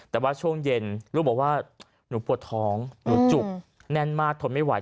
แต่ว่าช่วงเย็นลูกบอกว่าหนูปวดท้องหนูจุกแน่นมากทนไม่ไหว